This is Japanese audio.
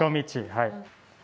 はい。